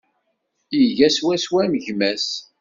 Iga swaswa am gma-s.